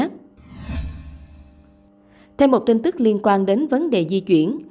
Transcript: thêm một tin tức liên quan đến vấn đề di chuyển